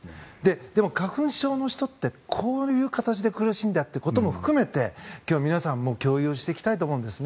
でも花粉症の人ってこういう形で苦しいんだということも含めて今日、皆さんも共有していきたいと思います。